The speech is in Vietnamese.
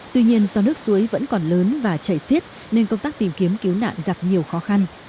tuy nhiên do nước suối vẫn còn lớn và chảy xiết nên công tác tìm kiếm cứu nạn gặp nhiều khó khăn